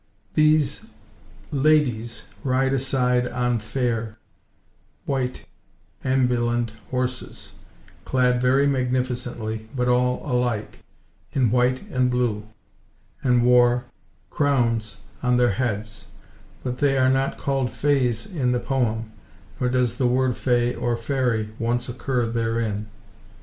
These "ladies," ride aside "on fayre [white] ambulende horses," clad, very magnificently, but all alike, in white and blue, and wore "corownes on their heades;" but they are not called fays in the poem, nor does the word fay or fairie once occur therein.